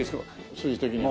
数字的にも。